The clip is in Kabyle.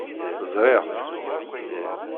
Ẓriɣ-tt.